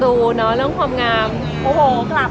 แล้วอาจจะหายป่วยไหมครับ